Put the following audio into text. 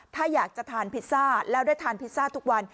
ถ้าอยากจะทานพิซซ่าแล้วได้ทานพิซซ่าทุกวัน